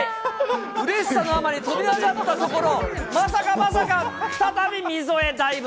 うれしさのあまり、飛び上がったところ、まさか、まさか、再び溝へダイブ。